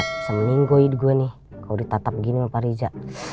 bisa meninggoy gue nih kalau ditatap gini sama pak riza